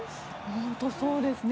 本当にそうですね。